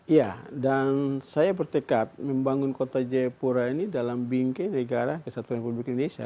iya dan saya bertekad membangun kota jayapura ini dalam bingkai negara kesatuan republik indonesia